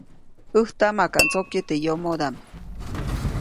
‒ʼÄjtaʼm makaʼt ndsokyeʼ teʼ yomodaʼm-.